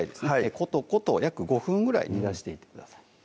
コトコト約５分ぐらい煮出していってください